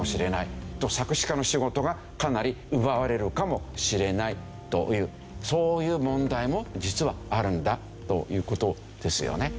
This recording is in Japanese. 作詞家の仕事がかなり奪われるかもしれないというそういう問題も実はあるんだという事ですよね。